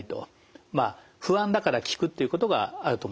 まあ不安だから聞くということがあると思います。